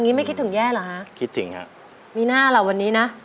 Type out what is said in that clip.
ไม่คิดถึงแย่เหรอฮะคิดถึงฮะมีหน้าล่ะวันนี้นะ